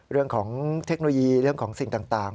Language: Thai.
เรื่องของเทคโนโลยีเรื่องของสิ่งต่าง